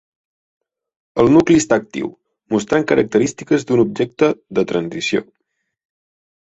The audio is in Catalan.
El nucli està actiu, mostrant característiques d'un objecte "de transició".